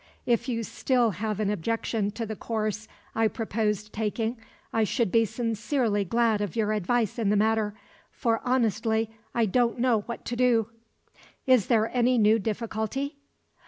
If you still have an objection to the course I proposed taking, I should be sincerely glad of your advice in the matter; for, honestly, I don't know what to do." "Is there any new difficulty?"